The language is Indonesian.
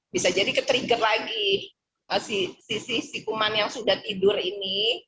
bisa jadi ketrigger lagi sisi sisi kuman yang sudah tidur ini